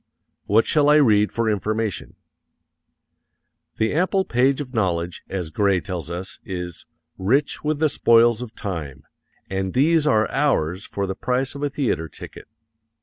What shall I read for information? The ample page of knowledge, as Grey tells us, is "rich with the spoils of time," and these are ours for the price of a theatre ticket.